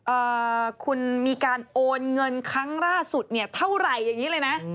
เอ่อคุณมีการโอนเงินครั้งล่าสุดเนี่ยเท่าไหร่อย่างนี้เลยนะ